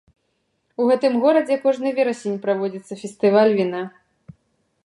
У гэтым горадзе кожны верасень праводзіцца фестываль віна.